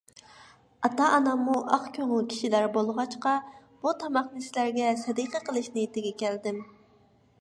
ئاتا - ئاناممۇ ئاق كۆڭۈل كىشىلەر بولغاچقا، بۇ تاماقنى سىلەرگە سەدىقە قىلىش نىيىتىگە كەلدىم.